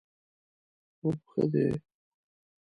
خوب ښه دی